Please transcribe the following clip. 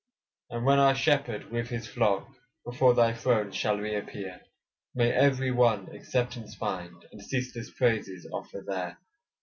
And when our Shepherd with his flock Before thy throne shall re appear, May every one acceptance find, And ceaseless praises offer there.